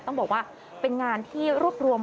ต้องบอกว่าเป็นงานที่รวบรวม